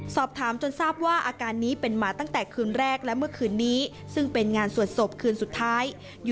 สอบถามจนทราบว่าอาการนี้เป็นมาตั้งแต่คืนแรกและเมื่อคืนนี้ซึ่งเป็นงานสวดศพคืนสุดท้าย